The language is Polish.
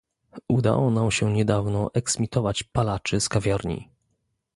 Udało nam się niedawno "eksmitować" palaczy z kawiarni